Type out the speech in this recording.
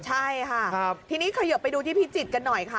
ใช่ค่ะทีนี้เขยิบไปดูที่พิจิตรกันหน่อยค่ะ